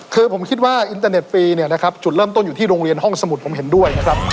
คือผมคิดว่าอินเตอร์เน็ตฟรีเนี่ยนะครับจุดเริ่มต้นอยู่ที่โรงเรียนห้องสมุดผมเห็นด้วยนะครับ